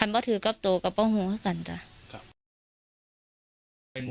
ถ้าไม่ถือกกับตัวกับพี่มุ่งกันแต่ค่ะ